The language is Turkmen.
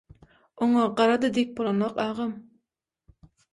Oňa gara-da diýip bolanok, agam.